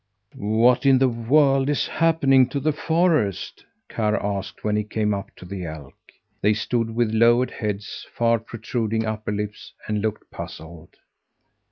"What in the world is happening to the forest?" Karr asked when he came up to the elk. They stood with lowered heads, far protruding upper lips, and looked puzzled.